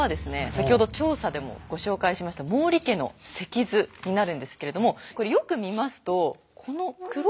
先ほど調査でもご紹介しました毛利家の席図になるんですけれどもこれよく見ますとこの黒いのを見て下さい。